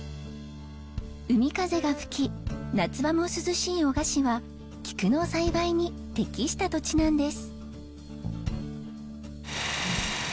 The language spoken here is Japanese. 海風が吹き夏場も涼しい男鹿市はキクの栽培に適した土地なんです。